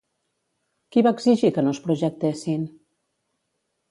Qui va exigir que no es projectessin?